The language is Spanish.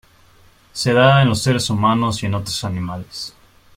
Se da en los seres humanos y en otros animales.